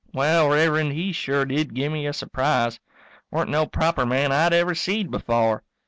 Wal, Rev'rend, he sure did give me a surprise weren't no proper man I'd ever seed before.